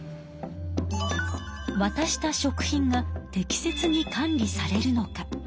わたした食品が適切に管理されるのか？